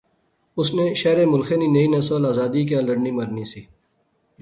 اس نے شہرے ملخے نی نئی نسل آزادی کیا لڑنی مرنی سی